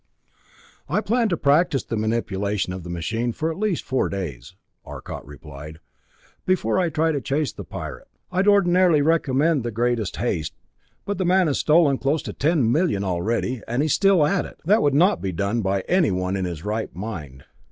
"I plan to practice the manipulation of the machine for at least four days," Arcot replied, "before I try to chase the Pirate. I'd ordinarily recommend the greatest haste, but the man has stolen close to ten million already, and he's still at it. That would not be done by anyone in his right mind.